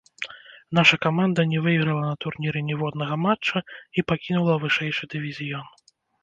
Наша каманда не выйграла на турніры ніводнага матча і пакінула вышэйшы дывізіён.